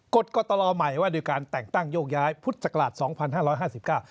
กฎก็ตะลอใหม่ว่าโดยการแต่งตั้งโยกย้ายพุทธสักฤทธิ์๒๕๕๙